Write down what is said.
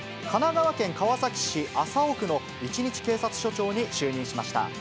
神奈川県川崎市麻生区の一日警察署長に就任しました。